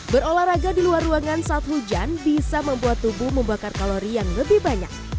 berolahraga di luar ruangan saat hujan bisa membuat tubuh membakar kalori yang lebih banyak